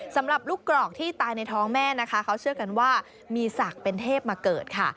สำหรับลูกกรอกที่ตายในท้องแม่นะคะเขาเชื่อกันว่ามีศักดิ์เป็นเทพมาเกิดค่ะ